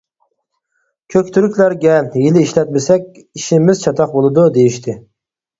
«كۆكتۈركلەرگە ھىيلە ئىشلەتمىسەك، ئىشىمىز چاتاق بولىدۇ» دېيىشتى.